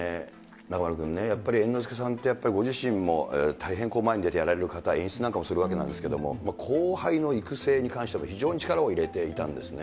中丸君ね、やっぱり猿之助さんって、やっぱりご自身も大変、前に出てやられる方、演出なんかもするわけなんですけれども、後輩の育成に関しても、非常に力を入れていたんですね。